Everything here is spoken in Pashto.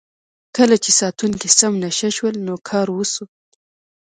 کله چې ساتونکي سم نشه شول نو کار وشو.